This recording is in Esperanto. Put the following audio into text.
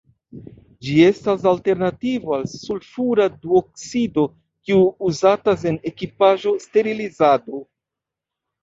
Ĝi estas alternativo al sulfura duoksido kiu uzatas en ekipaĵo-sterilizado.